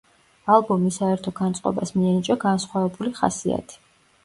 ალბომის საერთო განწყობას მიენიჭა განსხვავებული ხასიათი.